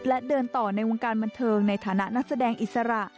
และเดินต่อในวงการบันเทิงในฐานะนักแสดงอิสระ